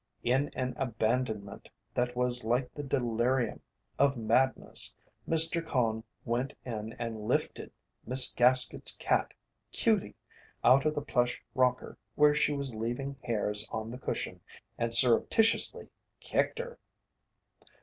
In an abandonment that was like the delirium of madness Mr. Cone went in and lifted Miss Gaskett's cat "Cutie" out of the plush rocker, where she was leaving hairs on the cushion, and surreptitiously kicked her.